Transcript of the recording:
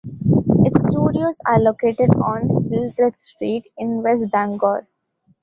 Its studios are located on Hildreth Street in West Bangor.